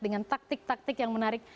dengan taktik taktik yang menarik